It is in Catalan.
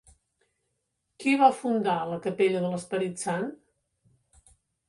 Qui va fundar la capella de l'Esperit Sant?